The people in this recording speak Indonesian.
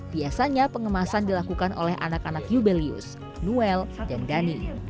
biasanya pengemasan dilakukan oleh anak anak yubelius noel dan dani